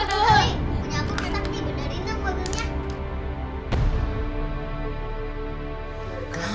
dia apa kak